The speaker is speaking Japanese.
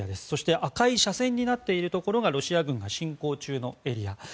そして赤い斜線になっているところがロシア軍が侵攻中のエリア。